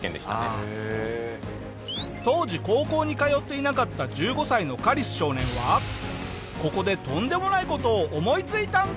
当時高校に通っていなかった１５歳のカリス少年はここでとんでもない事を思いついたんだ！